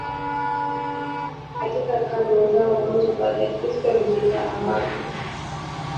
Katika karne za mwanzo baada ya kristo walifika kwa awamu kutoka magharibi